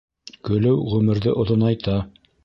Көлөү ғүмерҙе оҙонайта.